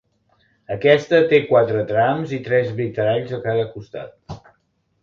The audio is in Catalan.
Aquesta té quatre trams i tres vitralls a cada costat.